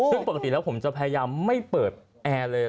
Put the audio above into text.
ซึ่งปกติแล้วผมจะพยายามไม่เปิดแอร์เลย